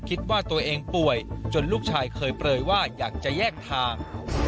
คิดว่าตัวเองป่วยจนลูกชายเคยเปลยว่าอยากจะแยกทาง